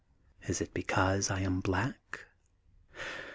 Is it because I am black?